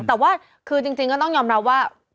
แต่ว่าคือจริงก็ต้องยอมรับว่า